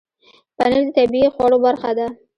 پنېر د طبیعي خوړو برخه ده.